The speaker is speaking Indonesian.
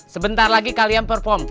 sebentar lagi kalian perform